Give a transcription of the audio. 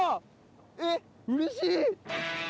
えっうれしい。